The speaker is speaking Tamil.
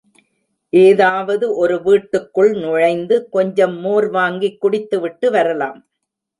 ஏதாவது ஒரு வீட்டுக்குள் நுழைந்து கெஞ்சம் மோர் வாங்கிக் குடித்துவிட்டு வரலாம்.